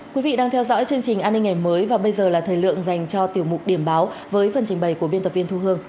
quý vị đang theo dõi chương trình an ninh ngày mới và bây giờ là thời lượng dành cho tiểu mục điểm báo với phần trình bày của biên tập viên thu hương